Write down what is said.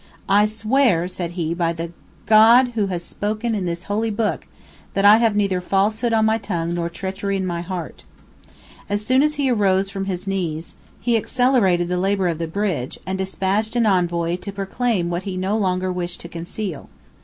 "I swear," said he, "by the God who has spoken in this holy book, that I have neither falsehood on my tongue, nor treachery in my heart." As soon as he rose from his knees, he accelerated the labor of the bridge, and despatched an envoy to proclaim what he no longer wished to conceal.